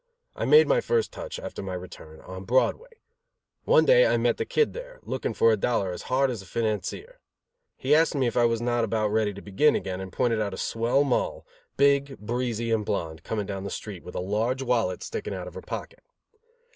I made my first touch, after my return, on Broadway. One day I met the Kid there, looking for a dollar as hard as a financier. He asked me if I was not about ready to begin again, and pointed out a swell Moll, big, breezy and blonde, coming down the street, with a large wallet sticking out of her pocket.